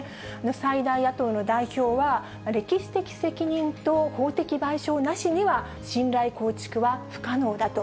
最大野党の代表は、歴史的責任と法的賠償なしには、信頼構築は不可能だと。